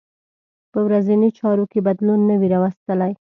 په ورځنۍ چارو کې بدلون نه وي راوستلی.